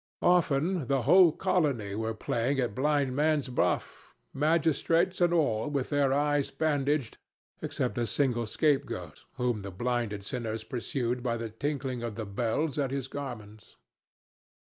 Often the whole colony were playing at Blindman's Buff, magistrates and all with their eyes bandaged, except a single scapegoat, whom the blinded sinners pursued by the tinkling of the bells at his garments.